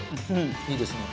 いいですね。